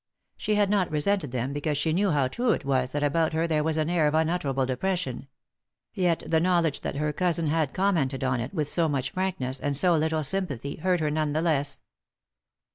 She had not resented them, because she knew how true it was that about her there was an air of unutterable depression ; yet the knowledge that her cousin had commented on it with so much frankness, and so little sympathy, hurt her none the less.